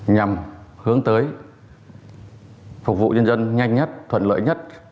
nhằm hướng tới phục vụ nhân dân nhanh nhất thuận lợi nhất